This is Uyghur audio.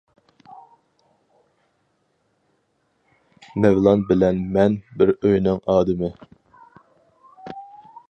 -مەۋلان بىلەن مەن بىر ئۆينىڭ ئادىمى.